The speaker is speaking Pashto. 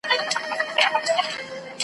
سره له هغه چي خپل شعرونه .